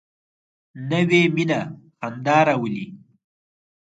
نوې مینه خندا راولي